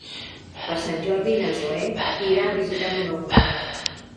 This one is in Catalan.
Per Sant Jordi na Zoè irà a visitar mon oncle.